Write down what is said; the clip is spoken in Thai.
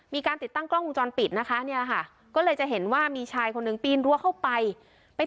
มีการติดตั้งกล้องวงจรปิดนะคะเนี่ยค่ะก็เลยจะเห็นว่ามีชายคนหนึ่งปีนรั้วเข้าไปไป